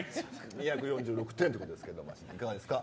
２４６点ということですがいかがですか。